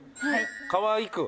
はい。